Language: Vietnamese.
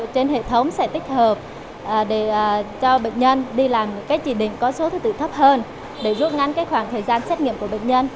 tổng sẽ tích hợp cho bệnh nhân đi làm những chỉ định có số thứ tự thấp hơn để rút ngắn khoảng thời gian xét nghiệm của bệnh nhân